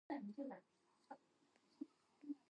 To date, this has not seen an official English release.